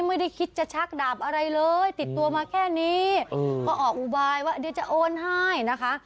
ไม่ได้คิดจะชักดาบอะไรเลยติดตัวมาแค่นี้ก็ออกอุบายว่าเดี๋ยวจะโอนให้นะคะ